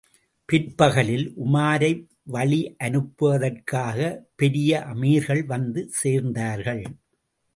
பிற்பகலில், உமாரை வழியனுப்புவதற்காக பெரிய அமீர்கள் வந்து சேர்ந்தார்கள்.